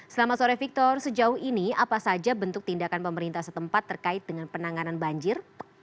selamat sore victor sejauh ini apa saja bentuk tindakan pemerintah setempat terkait dengan penanganan banjir